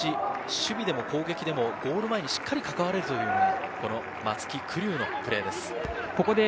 ボランチ、守備でも攻撃でもゴール前にしっかり関われるというのが松木玖生のプレーです。